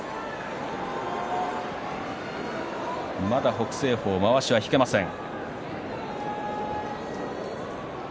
北青鵬まわしは引けません。